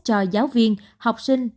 cho giáo viên học sinh